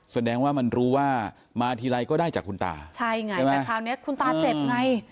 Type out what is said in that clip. แสดงว่ามันรู้ว่ามาทีไรก็ได้จากคุณตาใช่ไงแต่คราวนี้คุณตาเจ็บไง